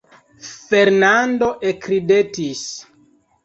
Fernando ekridetis.